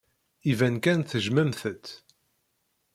Iban kan tejjmemt-tt.